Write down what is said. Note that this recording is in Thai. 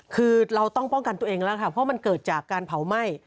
คือเราต้องป้องกันตัวเองแล้วค่ะเพราะมันเกิดจากการเผาไหม้